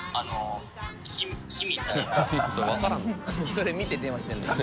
それ見て電話してるのよ。